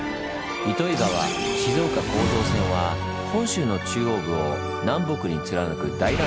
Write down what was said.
「糸魚川−静岡構造線」は本州の中央部を南北に貫く大断層